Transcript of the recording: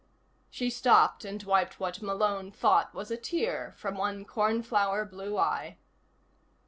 She stopped and wiped what Malone thought was a tear from one cornflower blue eye.